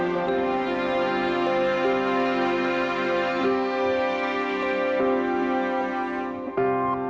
สวัสดีค่ะ